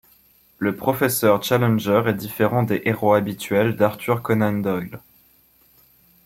Le professeur Challenger est différent des héros habituels d'Arthur Conan Doyle.